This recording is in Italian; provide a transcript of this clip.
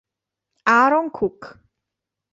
Aaron Cook